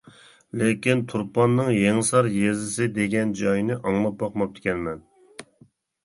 لېكىن تۇرپاننىڭ يېڭىسار يېزىسى دېگەن جاينى ئاڭلاپ باقماپتىكەنمەن.